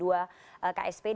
dan juga pak trubus harian